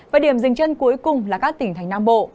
và điểm dừng chân cuối cùng là các tỉnh thành nam bộ